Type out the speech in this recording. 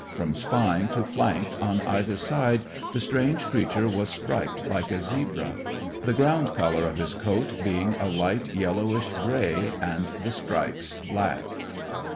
From spine to flank, on either side, the strange creature was striped like a zebra, the ground colour of his coat being a light yellowish grey and the stripes black.